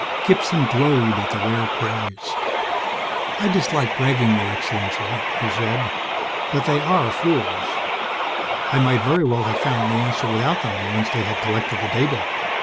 Gibson glowed at the rare praise. "I dislike bragging, Your Excellency," he said, "but they are fools. I might very well have found the answer without them, once they had collected the data.